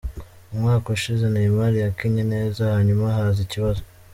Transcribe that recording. Umwaka ushize Neymar yakinnye neza hanyuma haza ikibazo.